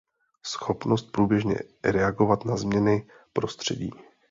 Schopnost průběžně reagovat na změny prostředí.